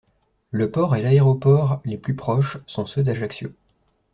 Le port et l'aéroport les plus proches sont ceux d'Ajaccio.